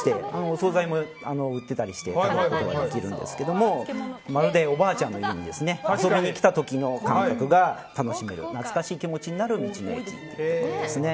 お総菜も売ってたりして食べることができるんですけどもまるでおばあちゃんの家に遊びに来た時の感覚が楽しめる懐かしい気持ちになる道の駅ということですね。